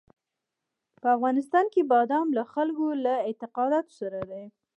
په افغانستان کې بادام له خلکو له اعتقاداتو سره دي.